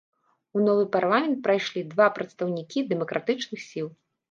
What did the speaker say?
У новы парламент прайшлі два прадстаўнікі дэмакратычных сіл.